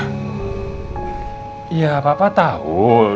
di sekolah itu gak ada kegiatan belajar mengajar